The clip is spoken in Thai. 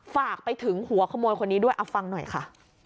ฝากไปถึงหัวขโมยคนนี้ด้วยเอาฟังหน่อยค่ะ